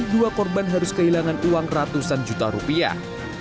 dua korban harus kehilangan uang ratusan juta rupiah